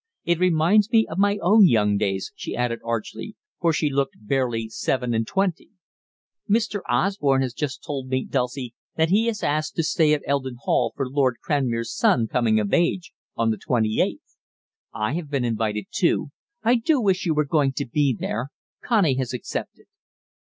It reminds me of my own young days," she added archly, for she looked barely seven and twenty. "Mr. Osborne has just told me, Dulcie, that he is asked to stay at Eldon Hall for Lord Cranmere's son's coming of age, on the twenty eighth. I have been invited too; I do wish you were going to be there. Connie has accepted."